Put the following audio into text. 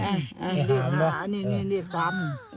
แอคชั่นไปครับ